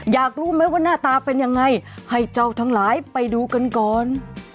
อยากรู้ไหมว่าหน้าตาเป็นยังไงให้เจ้าทั้งหลายไปดูกันก่อน